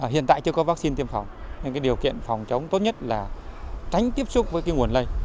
hiện tại chưa có vaccine tiêm phòng nhưng điều kiện phòng chống tốt nhất là tránh tiếp xúc với nguồn lây